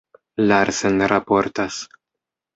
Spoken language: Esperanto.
Larsen raportas.